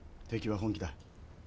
敵は本気だ。